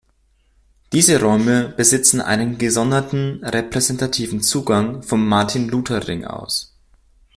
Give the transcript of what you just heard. Diese Räume besitzen einen gesonderten repräsentativen Zugang vom Martin-Luther-Ring aus.